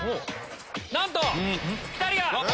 なんとピタリが。